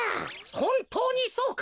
ほんとうにそうか？